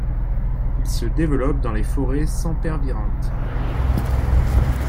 Il se développe dans les forêts sempervirentes.